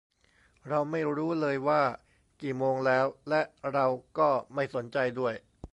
เราไม่รู้เลยว่ากี่โมงแล้ว และเราก็ไม่สนใจด้วย